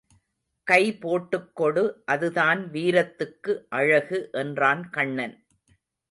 கைபோட்டுக் கொடு அது தான் வீரத்துக்கு அழகு என்றான் கண்ணன்.